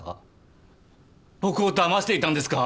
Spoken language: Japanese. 僕をだましていたんですか！？